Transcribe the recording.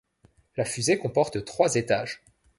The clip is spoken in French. La fusée comporte trois étages.